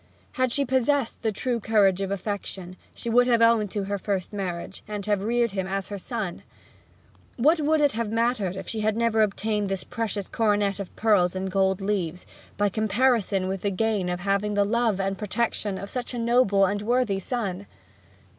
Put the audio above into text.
Had she possessed the true courage of affection she would have owned to her first marriage, and have reared him as her son! What would it have mattered if she had never obtained this precious coronet of pearls and gold leaves, by comparison with the gain of having the love and protection of such a noble and worthy son?